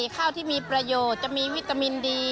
ข้าวที่มีประโยชน์จะมีวิตามินดี